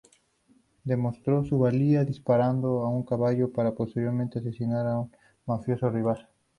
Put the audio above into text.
Demostró su "valía" disparando a un caballo para, posteriormente, asesinar a un mafioso rival.